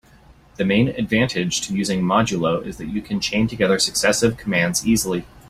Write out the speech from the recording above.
The main advantage to using modulo is that you can chain together successive commands easily.